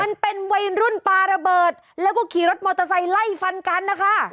มันเป็นวัยรุ่นปลาระเบิดแล้วก็ขี่รถมอเตอร์ไซค์ไล่ฟันกันนะคะ